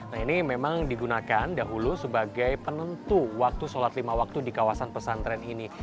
nah ini memang digunakan dahulu sebagai penentu waktu sholat lima waktu di kawasan pesantren ini